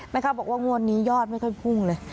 เขาบอกว่างวดนี้ยอดไม่ค่อยพุ่งเลย